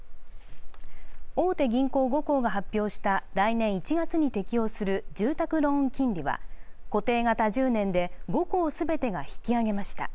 大手銀行５行が発表した来年１月に適用する住宅ローン金利は固定型１０年で５行全てが引き上げました。